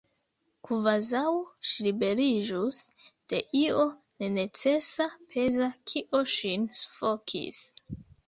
Kvazaŭ ŝi liberiĝus de io nenecesa, peza, kio ŝin sufokis.